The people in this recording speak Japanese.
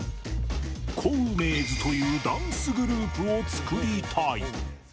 コウメーズというダンスグループを作りたい。